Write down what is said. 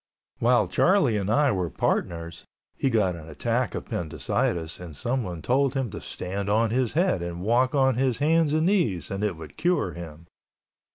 While Charlie and I were partners, he got an attack of appendicitis and someone told him to stand on his head and walk on his hands and knees and it would cure him.